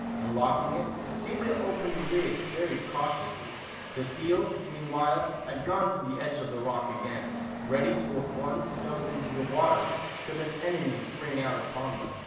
Unlocking it, Celia opened the lid veyy cautiously. The seal, meanwhile, had gone to the edge of the rock again, ready to at once jump into the water, should an enemy spring out upon them.